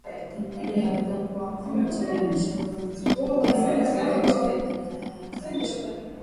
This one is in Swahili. Tahadhari yaweza kuwa kwa kuchelewesha uagizaji bidhaa au kutumia njia mbadala ya kati